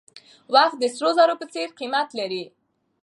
وخت د سرو زرو په څېر قیمت لري.